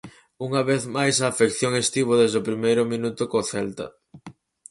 Unha vez máis a afección estivo desde o primeiro minuto co Celta.